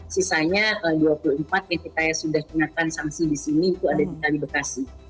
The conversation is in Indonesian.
sisanya dua puluh empat yang kita sudah kenakan sanksi di sini itu ada di kali bekasi